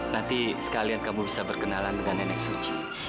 nanti sekalian kamu bisa berkenalan dengan nenek suci